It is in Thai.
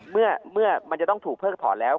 เมื่อมันจะต้องถูกเพิกถอนแล้ว